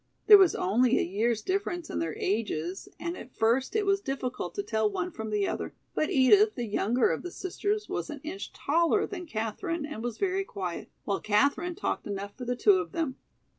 There was only a year's difference in their ages, and at first it was difficult to tell one from the other, but Edith, the younger of the sisters, was an inch taller than Katherine and was very quiet, while Katherine talked enough for the two of them.